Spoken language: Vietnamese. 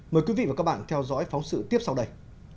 mời quý vị và các bạn theo dõi phóng sự tiếp sau đây